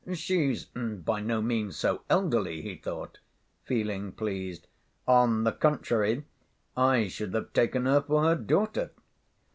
"She's by no means so elderly," he thought, feeling pleased, "on the contrary I should have taken her for her daughter."